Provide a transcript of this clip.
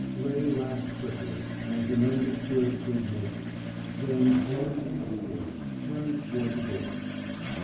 Ray laughed quickly, as in undisturbed good nature; then, flourishing his stick, turned toward the door.